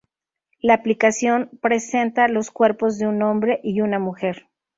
La aplicación presenta los cuerpos de un hombre y una mujer.